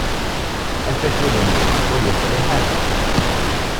Afakul-nnek ur yeṣliḥ ara.